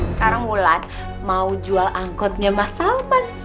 sekarang wulan mau jual angkotnya mas salman